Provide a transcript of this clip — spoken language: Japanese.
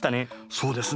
そうですね。